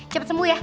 cepet sembuh ya